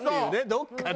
どっかで。